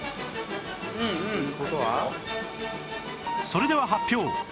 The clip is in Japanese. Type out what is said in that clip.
それでは発表！